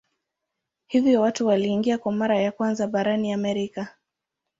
Hivyo watu waliingia kwa mara ya kwanza barani Amerika.